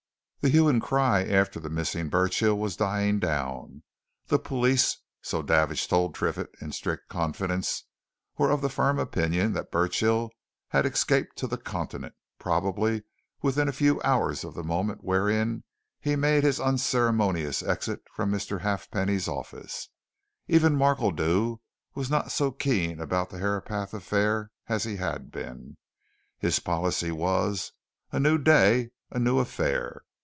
The hue and cry after the missing Burchill was dying down the police (so Davidge told Triffitt in strict confidence) were of the firm opinion that Burchill had escaped to the continent probably within a few hours of the moment wherein he made his unceremonious exit from Mr. Halfpenny's office. Even Markledew was not so keen about the Herapath affair as he had been. His policy was a new day, a new affair.